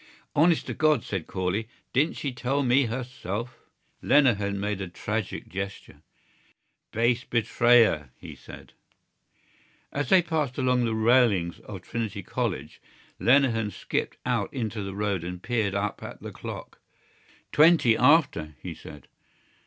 "Honest to God!" said Corley. "Didn't she tell me herself?" Lenehan made a tragic gesture. "Base betrayer!" he said. As they passed along the railings of Trinity College, Lenehan skipped out into the road and peered up at the clock. "Twenty after," he said.